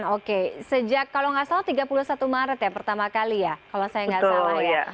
oke sejak kalau nggak salah tiga puluh satu maret ya pertama kali ya kalau saya nggak salah ya